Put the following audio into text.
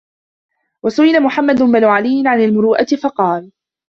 وَسُئِلَ مُحَمَّدُ بْنُ عَلِيٍّ عَنْ الْمُرُوءَةِ فَقَالَ